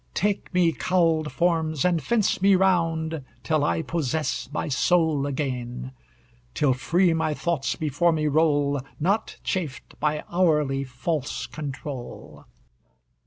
Take me, cowled forms, and fence me round, Till I possess my soul again; Till free my thoughts before me roll, Not chafed by hourly false control!